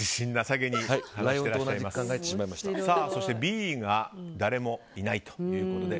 そしてＢが誰もいないということで。